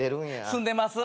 住んでます。